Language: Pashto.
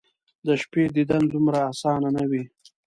د شپې دیدن دومره اسانه ،نه وي